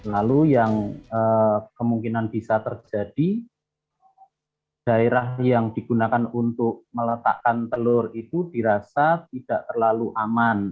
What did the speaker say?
lalu yang kemungkinan bisa terjadi daerah yang digunakan untuk meletakkan telur itu dirasa tidak terlalu aman